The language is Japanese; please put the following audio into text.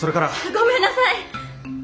ごめんなさい！